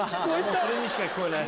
それにしか聞こえない。